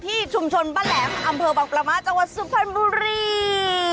ที่ชุมชนบ้านแหลมอำเภอบังประมาทจังหวัดสุพรรณบุรี